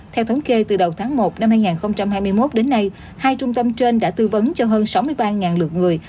theo thống kê từ đầu tháng một năm hai nghìn hai mươi một đến nay hai trung tâm trên đã tư vấn cho hơn sáu mươi ba lượt người